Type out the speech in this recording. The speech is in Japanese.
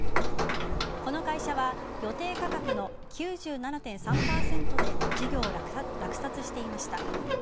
この会社は予定価格の９７．３％で事業を落札していました。